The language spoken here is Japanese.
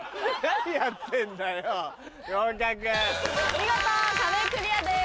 見事壁クリアです。